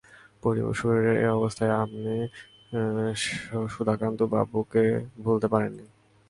শরীরের এই অবস্থায়ও আপনি সুধাকান্তবাবুকে ভুলতে পারেন নি?